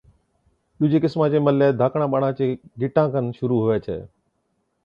ڏُوجي قِسما چَي ملَي ڌاڪڙان ٻاڙان چي گِٽان کن شرُوع هُوَي ڇَي،